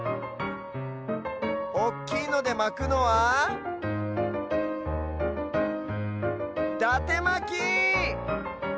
おっきいのでまくのはだてまき！